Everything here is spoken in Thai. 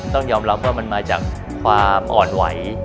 ต้องยอมรับว่ามันมาจากความอ่อนไหว